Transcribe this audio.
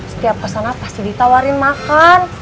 setiap kesana pasti ditawarin makan